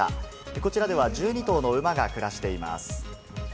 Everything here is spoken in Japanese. こちらでは１２頭の馬が暮らしています。